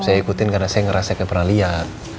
saya ikutin karena saya ngerasa kayak pernah liat